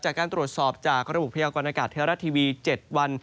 จากการตรวจสอบจากกระบุเที่ยวการอากาศเทรารัสทีวี๗วัน